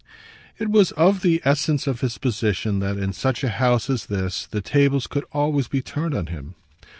It was of the essence of his position that in such a house as this the tables could always be turned on him.